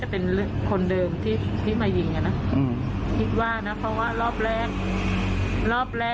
น่ะก็กล้ายยิงท้องขนน่ะรอบแรกน่ะ